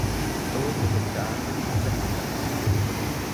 ሑድ እግል ተኣምር ብዞሕ ትሰአል።